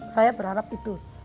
saya berharap itu